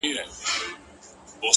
راسه دعا وكړو”